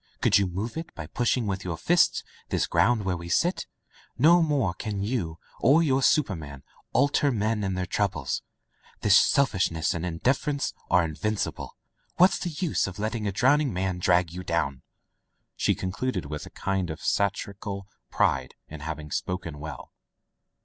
Could you move it by pushing with your fists this ground where we sit ? No more can you or your superman alter men and their troubles. Their selfish ness and indifference are invincible. What's the use of letting a drowning man drag you down ?'* she concluded with a kind of satir ical pride in having spoken well.